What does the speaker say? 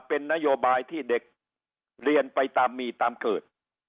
เป็นนโยบายที่เด็กเรียนไปตามมีตามเกิด